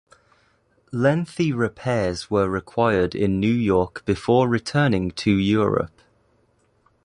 Lengthy repairs were required in New York before returning to Europe.